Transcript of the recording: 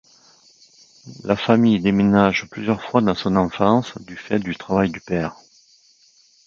La famille déménage plusieurs fois dans son enfance du fait du travail du père.